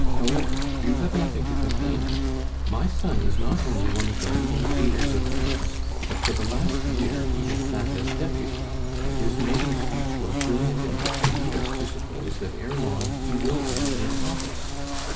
"However, you have nothing to complain of. My son is not only one of the leading pleaders of Paris, but for the last year he has sat as Deputy, and his maiden speech was brilliant enough to lead us to suppose that ere long he will be in office.